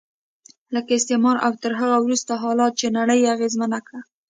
لکه استعمار او تر هغه وروسته حالاتو چې نړۍ یې اغېزمنه کړه.